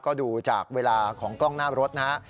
ก็ดูจากเวลาของกล้องหน้ารถนะฮะ